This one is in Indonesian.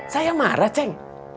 saya marah ceng